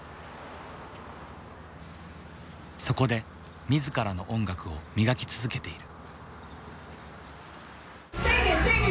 そこで自らの音楽を磨き続けている。